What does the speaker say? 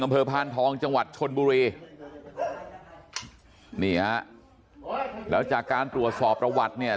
พานทองจังหวัดชนบุรีนี่ฮะแล้วจากการตรวจสอบประวัติเนี่ย